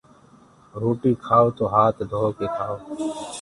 روٽي ڪآئو تو هآت ڌو ڪي کآئو